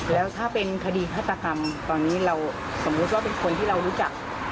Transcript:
แล้วถ้าเป็นคดีฆาตกรรมตอนนี้เราสมมุติว่าเป็นคนที่เรารู้จัก